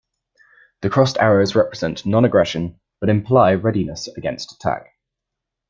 The crossed arrows represent nonaggression, but imply readiness against attack.